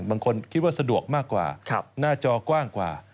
บางคนคิดว่าสะดวกมากกว่าหน้าจอกว้างกว่า